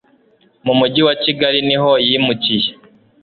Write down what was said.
mu mujyi wa Kigali.niho yimukiye